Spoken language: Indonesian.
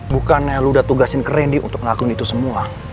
bukannya lu udah tugasin ke randy untuk ngelakuin itu semua